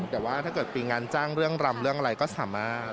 แต่ว่าถ้าเกิดปีงานจ้างเรื่องรำเรื่องอะไรก็สามารถ